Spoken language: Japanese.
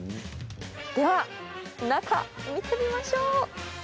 では、中、見てみましょう。